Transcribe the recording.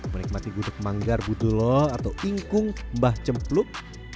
menikmati gudeg manggar buduloh atau ingkung mbah cempluk